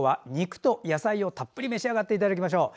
肉と野菜をたっぷり召し上がっていただきます。